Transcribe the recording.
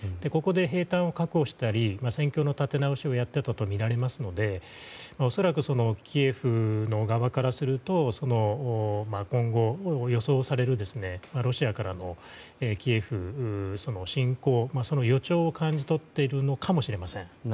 ここで兵站を確保したり戦況の立て直しをやったとみられますので恐らくキエフの側からすると今後、予想されるロシアからのキエフ侵攻の予兆を感じ取っているのかもしれません。